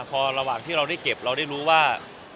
พอระหว่างที่เราได้เก็บเราได้รู้ว่า